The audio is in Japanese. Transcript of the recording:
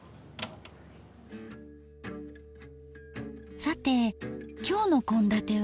さて今日の献立は？